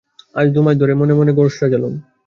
আজ দু মাস ধরে মনে মনে ঘর সাজালুম।